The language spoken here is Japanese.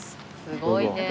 すごいね。